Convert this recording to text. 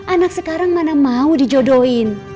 anak sekarang mana mau dijodohin